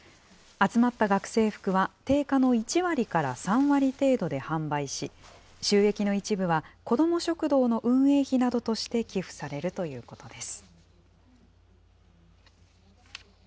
集まった学生服は定価の１割から３割程度で販売し、収益の一部は子ども食堂の運営費などとして寄付されるということです。